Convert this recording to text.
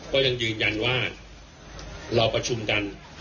ก็ยังยืนยันว่าเราประชุมกัน